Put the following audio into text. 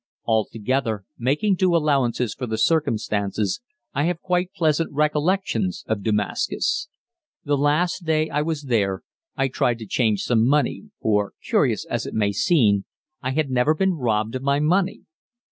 Altogether, making due allowances for the circumstances, I have quite pleasant recollections of Damascus. The last day I was there I tried to change some money, for curious as it may seem, I had never been robbed of my money.